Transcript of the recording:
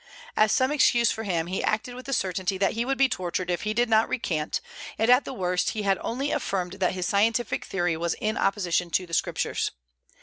As some excuse for him, he acted with the certainty that he would be tortured if he did not recant; and at the worst he had only affirmed that his scientific theory was in opposition to the Scriptures.